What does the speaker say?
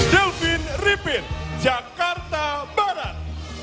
delvin ripin jakarta barat